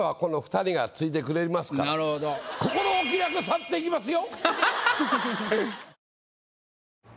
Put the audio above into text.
私の心置きなく去っていきますよ。